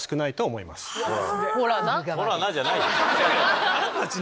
「ほらな」じゃない。